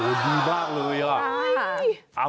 โอ้โหดีมากเลยอะ